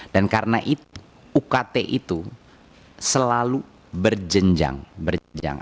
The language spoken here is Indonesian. dan karena itu ukt itu selalu berjenjang